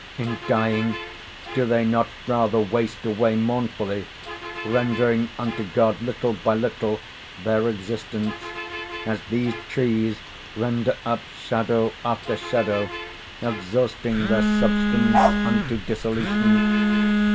In dying, do they not rather waste away mournfully, rendering unto God, little by little, their existence, as these trees render up shadow after shadow, exhausting their substance unto dissolution?